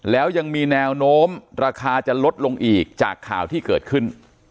แล้วยังมีแนวโน้มราคาจะลดลงอีกจากข่าวที่เกิดขึ้น